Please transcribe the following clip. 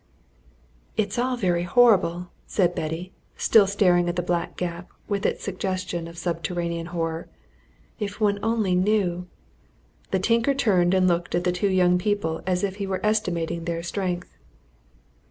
"It's all very horrible!" said Betty, still staring at the black gap with its suggestions of subterranean horror. "If one only knew " The tinker turned and looked at the two young people as if he were estimating their strength.